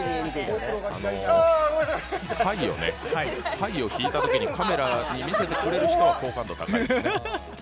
パイをひいたときにカメラに見せてくれる人は好感度高いですよね。